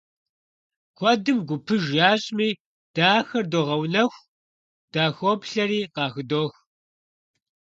Куэдым гупыж ящӀми, дэ ахэр догъэунэху, дахоплъэри, къахыдох.